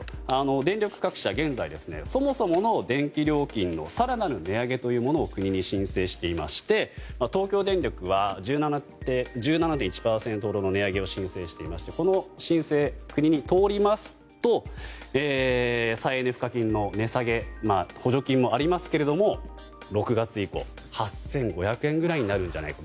電力各社は現在、そもそもの電気料金の更なる値上げを国に申請していまして東京電力は１７．１％ほどの値上げを申請していましてこの申請が国に通りますと再エネ賦課金の値下げや補助金もありますけど６月以降、８５００円くらいになるのではないか。